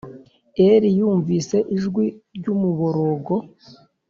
Eli yumvise ijwi ry umuborogo